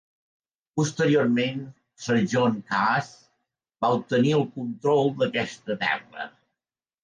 Posteriorment, Sir John Cass va obtenir el control d'aquesta terra.